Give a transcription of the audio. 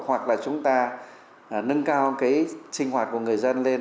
hoặc là chúng ta nâng cao cái sinh hoạt của người dân lên